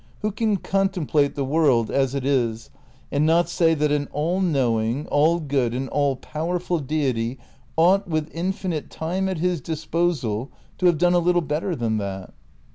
Who can con template the world as it is and not say that an all knowing, all good and all powerful Deity ought, with infinite time at his disposal, to have done a little bet ter than that?